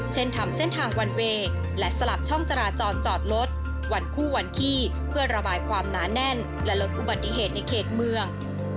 เช่นทำเส้นทางวันเวย์และสลับช่องจราจรจอดรถวันคู่วันขี้เพื่อระบายความหนาแน่นและลดอุบัติเหตุในเขตเมือง